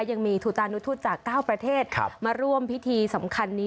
ยังมีถุตานุทูตจาก๙ประเทศมาร่วมพิธีสำคัญนี้